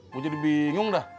gua jadi bingung dah